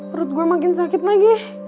perut gue makin sakit lagi ya